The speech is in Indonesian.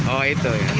oh itu ya